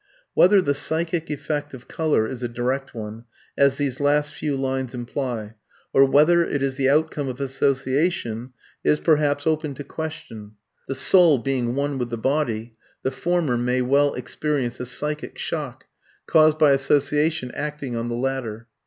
Whether the psychic effect of colour is a direct one, as these last few lines imply, or whether it is the outcome of association, is perhaps open to question. The soul being one with the body, the former may well experience a psychic shock, caused by association acting on the latter.